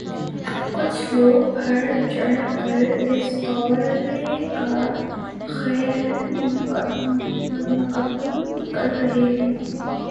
کچھ لوگ بڑھ چڑھ کر اس دورے کا خیر مقدم کر رہے ہیں۔